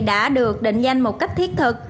đã được định danh một cách thiết thực